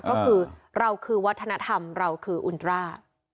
ก็คือเราคือวัฒนธรรมเราคืออุณตรา